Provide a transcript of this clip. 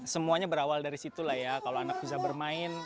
semuanya berawal dari situ lah ya kalau anak bisa bermain